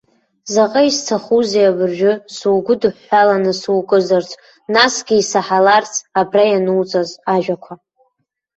Заҟа исҭахузеи абыржәы сугәыдҳәҳәаланы сукызарц, насгьы исаҳаларц абра иануҵаз ажәақәа!